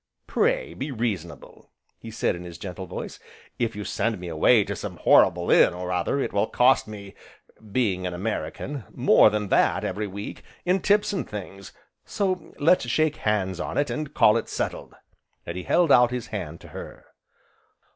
"Pray be reasonable," he said in his gentle voice, "if you send me away to some horrible inn or other, it will cost me being an American, more than that every week, in tips and things, so let's shake hands on it, and call it settled," and he held out his hand to her.